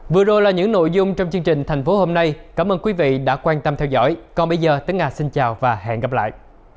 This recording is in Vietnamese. vừa rồi là những nội dung trong chương trình thành phố hôm nay cảm ơn quý vị đã quan tâm theo dõi còn bây giờ tới ngà xin chào và hẹn gặp lại